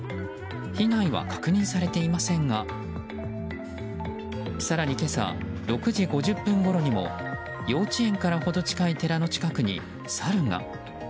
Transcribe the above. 被害は確認されていませんが更に今朝６時５０分ごろにも幼稚園から程近い寺の近くにサルが。